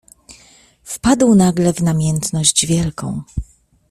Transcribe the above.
"Wpadł nagle w namiętność wielką."